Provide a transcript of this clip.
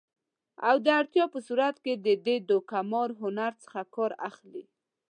او د اړتیا په صورت کې د دې دوکه مار هنر څخه کار اخلي